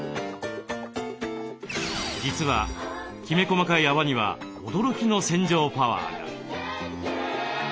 実はきめ細かい泡には驚きの洗浄パワーが。